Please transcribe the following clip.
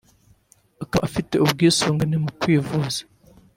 akaba afite ubwisungane mu kwivuza